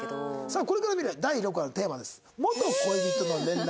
さあこれから見る第６話のテーマです。